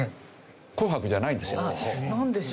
紅白じゃないんですよ。